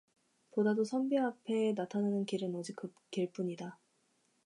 보다도 선비의 앞에 나타나는 길은 오직 그 길뿐이다.